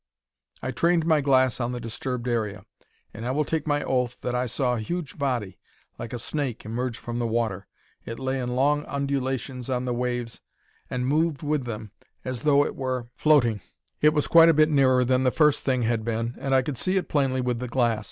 "I trained my glass on the disturbed area, and I will take my oath that I saw a huge body like a snake emerge from the water. It lay in long undulations on the waves, and moved with them as though it were floating. It was quite a bit nearer than the first thing had been and I could see it plainly with the glass.